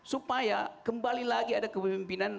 supaya kembali lagi ada kepemimpinan